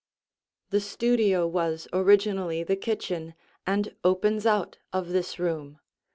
The studio was originally the kitchen and opens out of this room.